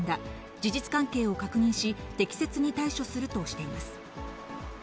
事実関係を確認し、適切に対処するとしています。